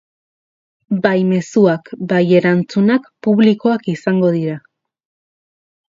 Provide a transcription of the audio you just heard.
Bai mezuak bai erantzunak publikoak izango dira.